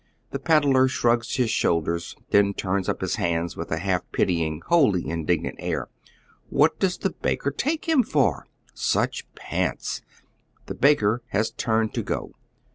The ped lar shrugs Iiis shoulders, and turns up his hands with a half pitying, wliolly indignant air. What does the baker take him for ? Such pants —, The baker has tnrned to go.